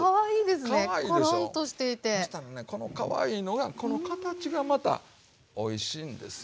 そしたらねこのかわいいのがこの形がまたおいしいんですよ。